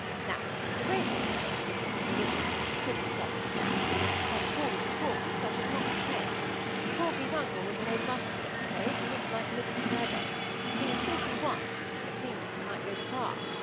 Now, a great many fellows think that having a rich uncle is a pretty soft snap: but, according to Corky, such is not the case. Corky’s uncle was a robust sort of cove, who looked like living for ever. He was fifty one, and it seemed as if he might go to par.